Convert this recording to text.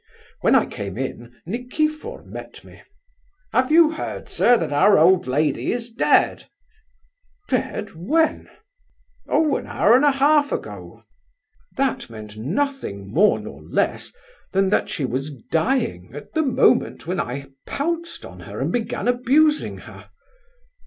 When I came in, Nikifor met me. 'Have you heard, sir, that our old lady is dead?' 'dead, when?' 'Oh, an hour and a half ago.' That meant nothing more nor less than that she was dying at the moment when I pounced on her and began abusing her.